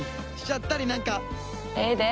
ええで。